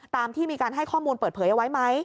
ตามที่มีการให้ข้อมูลเปิดเผยเอาไว้ไหม